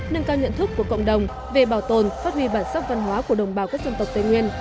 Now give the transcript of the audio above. nâng cao nhận thức của cộng đồng về bảo tồn phát huy bản sắc văn hóa của đồng bào các dân tộc tây nguyên